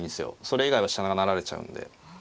それ以外は飛車が成られちゃうんで。